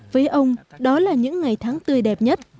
với ông đó là những ngày tháng tươi đẹp nhất